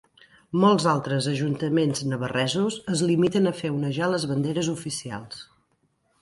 Molts altres ajuntaments navarresos es limiten a fer onejar les banderes oficials.